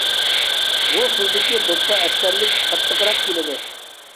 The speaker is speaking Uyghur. بۇ خىلدىكى دوپپا ئەستەرلىك، قاتتىقراق كېلىدۇ.